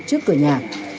trước cửa nhà